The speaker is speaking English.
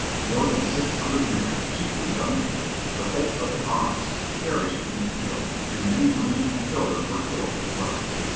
More than six hundred men, chiefly young men, the hope of the colonists, perished in the field, and many women and children were killed as well.